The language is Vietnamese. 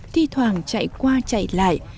thi thoảng chạy qua chạy lại